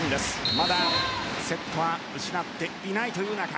まだセットは失っていないという中。